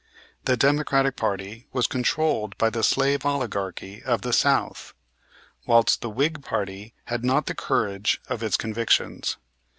The Democratic party was controlled by the slave oligarchy of the South, whilst the Whig party had not the courage of its convictions.